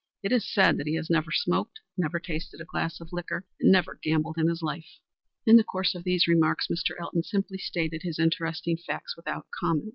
It is said that he has never smoked, never tasted a glass of liquor, and never gambled in his life." In the course of these remarks Mr. Elton simply stated his interesting facts without comment.